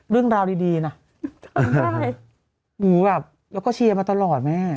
เรื่องราวดีน่ะแล้วก็เชียวมาตลอดแม่